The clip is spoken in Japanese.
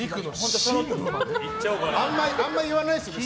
あんまり言わないですよね